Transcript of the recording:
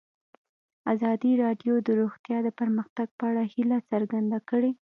ازادي راډیو د روغتیا د پرمختګ په اړه هیله څرګنده کړې.